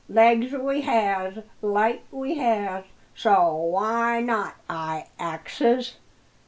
Legs we has, light we has! so why not? I axes."